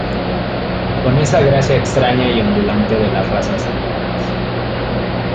con esa gracia extraña y ondulante de las razas nómadas